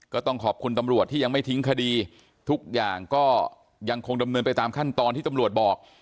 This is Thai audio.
ก็ต้องขอบคุณตำรวจที่ยังไม่ทิ้งคดีทุกอย่างก็ยังคงดำเนินไปตามขั้นตอนที่ตำรวจบอก